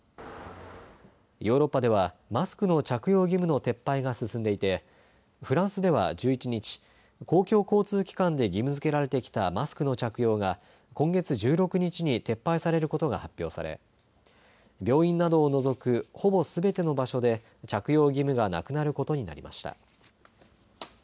ヨーロッパではマスクの着用義務の撤廃が進んでいてフランスでは１１日、公共交通機関で義務づけられてきたマスクの着用が今月１６日に撤廃されることが発表され病院などを除くほぼすべての場所で着用義務がなくなることになりました。